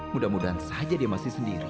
mudah mudahan saja dia masih sendiri